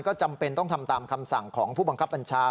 ก็จำเป็นต้องทำตามคำสั่งของผู้บังคับบัญชา